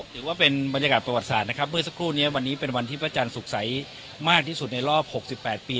ถือว่าเป็นบรรยากาศประวัติศาสตร์นะครับเมื่อสักครู่นี้วันนี้เป็นวันที่พระจันทร์สุขใสมากที่สุดในรอบ๖๘ปี